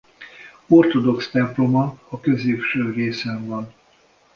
Ortodox temploma a középső részen van.